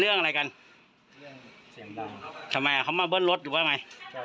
เรื่องอะไรกันทำไมเขามาเบิ้ลรถอยู่ป่ะไง